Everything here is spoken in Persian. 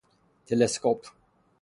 تلسکوپ